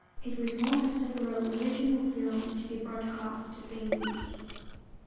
It was one of several original films to be broadcast the same week.